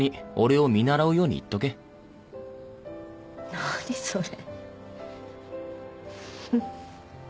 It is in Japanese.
何それ。